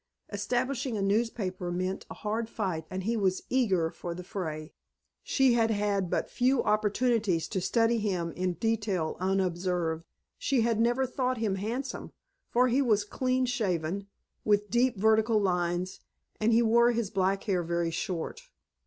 Establishing a newspaper meant a hard fight and he was eager for the fray. She had had but few opportunities to study him in detail unobserved. She had never thought him handsome, for he was clean shaven, with deep vertical lines, and he wore his black hair very short.